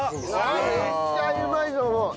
めっちゃうまいと思う！